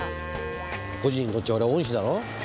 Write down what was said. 故人にとっちゃ俺は恩師だろ？